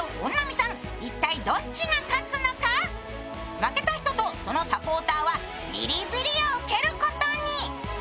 負けた人と、そのサポーターはビリビリを受けることに。